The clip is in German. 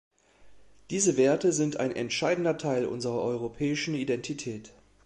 Diese Werte sind ein entscheidender Teil unserer europäischen Identität.